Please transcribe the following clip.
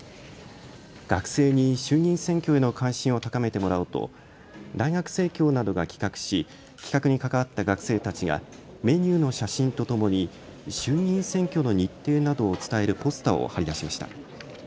学生に衆議院選挙への関心を高めてもらおうと大学生協などが企画し企画に関わった学生たちがメニューの写真とともに衆議院選挙の日程などを伝えるポスターを貼り出しました。